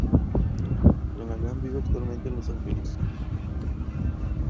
Flanagan vive actualmente en Los Ángeles.